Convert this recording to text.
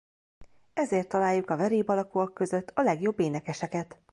Ezért találjuk a verébalakúak között a legjobb énekeseket.